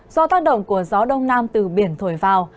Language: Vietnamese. do tác động của gió đông nam từ biển thổi vào